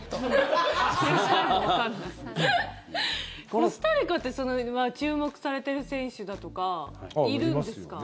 コスタリカって注目されている選手だとかいるんですか？